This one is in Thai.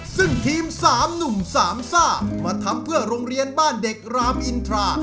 ซึ่งทีม๓หนุ่มสามซ่ามาทำเพื่อโรงเรียนบ้านเด็กรามอินทรา